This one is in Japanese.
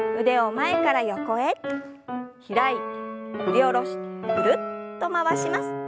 開いて振り下ろしてぐるっと回します。